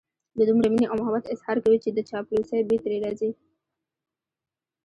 د دومره مينې او محبت اظهار کوي چې د چاپلوسۍ بوی ترې راځي.